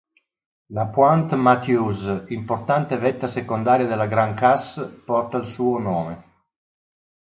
La Pointe Mathews, importante vetta secondaria dalla Grande Casse, porta il suo nome.